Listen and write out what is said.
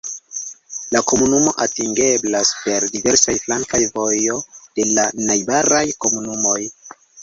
La komunumo atingeblas per diversaj flankaj vojo de la najbaraj komunumoj.